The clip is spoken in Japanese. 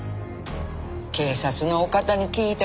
「警察のお方に聞いた」